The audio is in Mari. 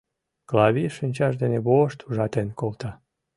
Клавий шинчаж дене вошт ужатен колта.